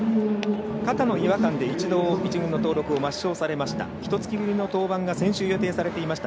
肩の違和感で一度１軍の登録を抹消されました。